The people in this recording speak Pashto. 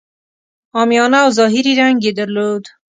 عامیانه او ظاهري رنګ یې درلود.